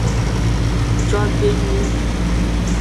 Jogbenyui.